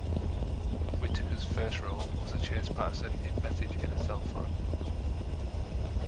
Whitaker's first role was a Chase Patterson in "Message in a Cell Phone".